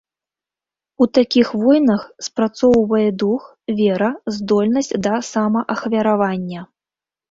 У такіх войнах спрацоўвае дух, вера, здольнасць да самаахвяравання.